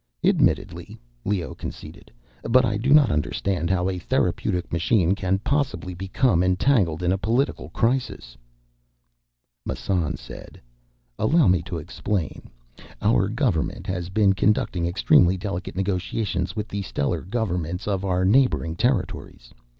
"Admittedly," Leoh conceded. "But I do not understand how a therapeutic machine can possibly become entangled in a political crisis." Massan said; "Allow me to explain. Our Government has been conducting extremely delicate negotiations with the stellar governments of our neighboring territories.